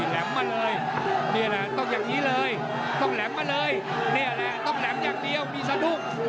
แหลมมาเลยต้องอย่างงี้เลยต้องแหลมมาเลยต้องแหลมอย่างเดียวมีสะทุก